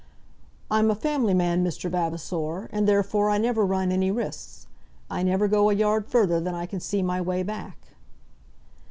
"I'm a family man, Mr. Vavasor, and therefore I never run any risks. I never go a yard further than I can see my way back."